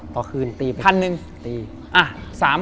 ตอนคืนตีไป๑๐๐๐บาท